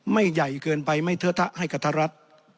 ไม่ใหญ่เกินไปไม่เทอะเทะให้กระทรรัฐ